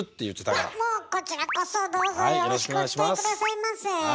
もうこちらこそどうぞよろしくお伝え下さいませ。